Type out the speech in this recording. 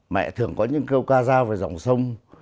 mẹ thường có những câu ca giao về dòng sông